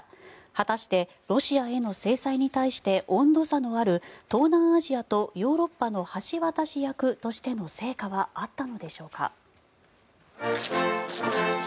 果たしてロシアへの制裁に対して温度差のある東南アジアとヨーロッパの橋渡し役としての成果はあったのでしょうか。